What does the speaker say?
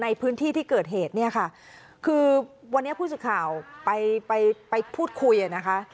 ในพื้นที่ที่เกิดเหตุเนี่ยค่ะคือวันนี้ผู้สื่อข่าวไปไปพูดคุยอ่ะนะคะ